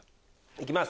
行きます。